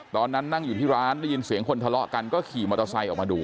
ตอนนั้นนั่งอยู่ที่ร้านได้ยินเสียงคนทะเลาะกันก็ขี่มอเตอร์ไซค์ออกมาดู